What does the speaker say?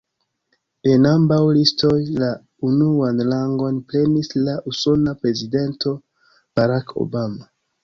En ambaŭ listoj, la unuan rangon prenis la usona prezidento, Barack Obama.